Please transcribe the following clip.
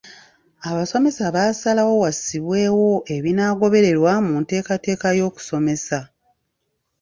Abasomesa baasalawo wassibwewo ebinaagobererwa mu nteekateeka y'okusomesa.